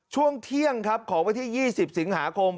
ช่วงเที่ยงครับของวันที่๒๐สิงหาคม